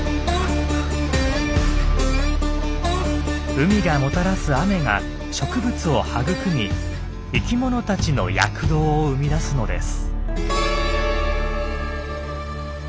海がもたらす雨が植物を育み生きものたちの躍動を生み出すのです。